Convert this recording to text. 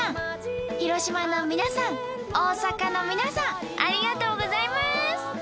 広島の皆さん大阪の皆さんありがとうございます！